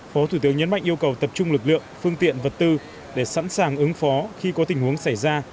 phó thủ tướng nhấn mạnh yêu cầu tập trung lực lượng phương tiện vật tư để sẵn sàng ứng phó khi có tình huống xảy ra